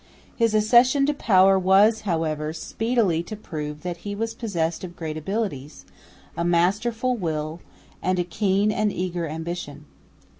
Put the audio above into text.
His accession to power was, however, speedily to prove that he was possessed of great abilities, a masterful will and a keen and eager ambition.